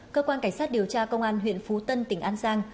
cơ quan cảnh sát điều tra công an huyện phú tân tỉnh an giang